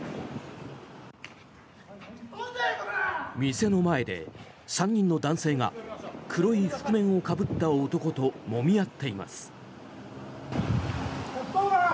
店の前で３人の男性が黒い覆面をかぶった男ともみ合っています。